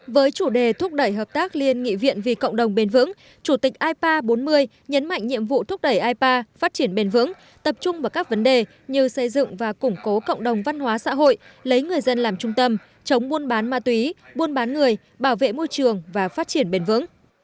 với chủ đề thúc đẩy hợp tác liên nghị viện vì cộng đồng bền vững chủ tịch ipa bốn mươi nhấn mạnh nhiệm vụ thúc đẩy ipa phát triển bền vững tập trung vào các vấn đề như xây dựng và củng cố cộng đồng văn hóa xã hội lấy người dân làm trung tâm chống buôn bán ma túy buôn bán người bảo vệ môi trường và phát triển bền vững